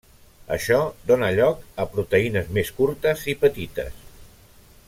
Això dóna lloc a proteïnes més curtes i petites.